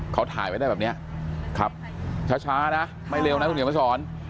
เขาถ่ายไว้ได้แบบนี้ขับช้านะไม่เร็วนะคุณเหนียวมาสอน